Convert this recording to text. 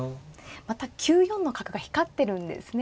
また９四の角が光ってるんですね。